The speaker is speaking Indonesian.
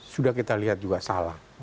sudah kita lihat juga salah